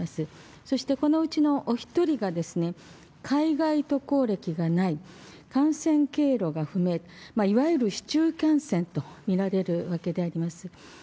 そしてこのうちのお１人が、海外渡航歴がない、感染経路が不明、いわゆる市中感染と見られるわけであります。